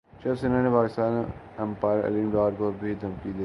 شیو سینا نے پاکستان امپائر علیم ڈار کو بھی دھمکی دے دی